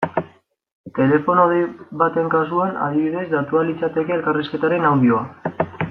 Telefono dei baten kasuan, adibidez, datua litzateke elkarrizketaren audioa.